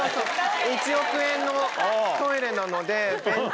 １億円のトイレなので便座。